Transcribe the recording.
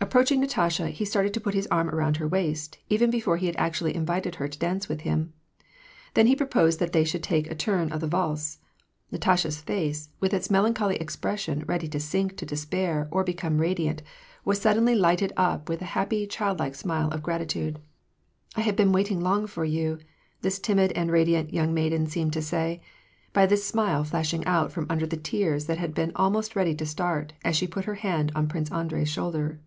Approaching Natasha, he started to put his arm around her waist, even be fore he had actually invited her to dance with him. Then he proposed that they should take a tuni of the i ahe, Natasha's face, with its melancholy expression, ready to sink to despair or become radiant, was suddenly lighted up with a happy, childlike smile of gratitude. " I had been waiting long for you," this timid and radiant young maiden seemed to say, by this smile flashing out from under the tears that had been almost ready to start, as she put her hand on Prince Andrei's shoulder.